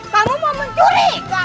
kamu mau mencuri